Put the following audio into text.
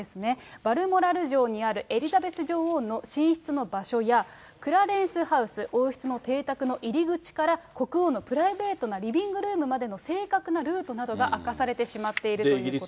バルモラル城にあるエリザベス女王の寝室の場所や、クラレンスハウス、王室の邸宅の入り口から国王のプライベートなリビングルームまでの正確なルートが明かされてしまっているということ。